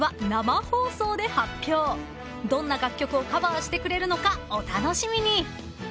［どんな楽曲をカバーしてくれるのかお楽しみに］